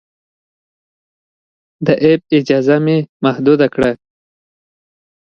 د اپ اجازه مې محدود کړه.